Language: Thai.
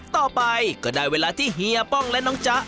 ต่อไปก็ได้เวลาที่เฮียป้องและน้องจ๊ะ